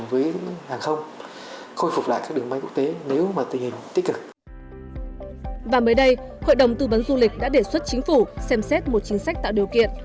và mới đây hội đồng tư vấn du lịch đã đề xuất chính phủ xem xét một chính sách tạo điều kiện